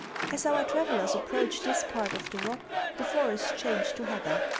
As our travellers approached this part of the rock, the forest changed to heather.